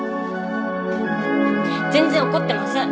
全然怒ってません。